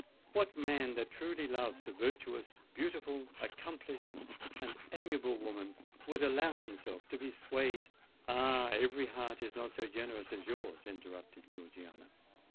What man that truly loves a virtuous—beautiful—accomplished—and amiable woman, would allow himself to be swayed——" "Ah! every heart is not so generous as yours!" interrupted Georgiana.